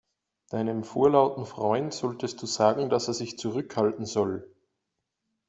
Deinem vorlauten Freund solltest du sagen, dass er sich zurückhalten soll.